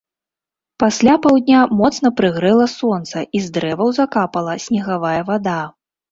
Пасля паўдня моцна прыгрэла сонца, і з дрэваў закапала снегавая вада.